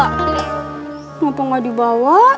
kenapa nggak dibawain